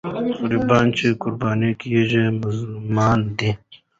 غریبان چې قرباني کېږي، مظلومان دي.